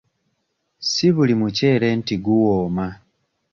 Si buli muceere nti guwooma.